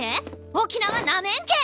沖縄なめんけぇ！